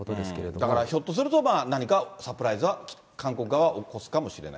だからひょっとすると、何かサプライズは、韓国側は起こすかもしれない。